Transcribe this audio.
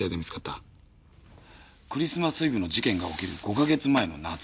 クリスマスイブの事件が起きる５か月前の夏だ。